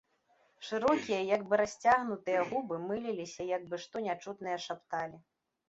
Шырокія, як бы расцягнутыя, губы мыляліся, як бы што нячутнае шапталі.